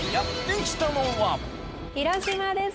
広島です！